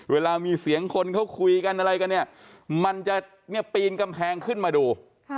เวลามีเสียงคนเขาคุยกันอะไรกันเนี่ยมันจะปีนกำแพงขึ้นมาดู